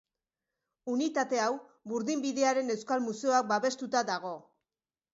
Unitate hau Burdinbidearen Euskal Museoak babestuta dago.